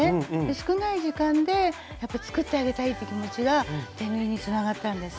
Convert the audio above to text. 少ない時間でやっぱり作ってあげたいっていう気持ちが手縫いにつながったんです。